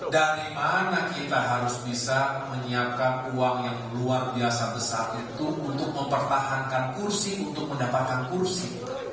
dari mana kita harus bisa menyiapkan uang yang luar biasa besar itu untuk mempertahankan kursi untuk mendapatkan kursi